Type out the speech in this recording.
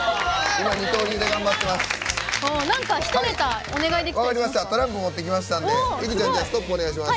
今、二刀流で頑張ってます。